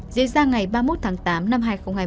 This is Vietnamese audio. diễn ra ngày ba mươi một tháng tám năm hai nghìn hai mươi